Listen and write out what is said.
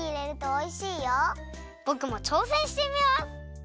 ぼくもちょうせんしてみます！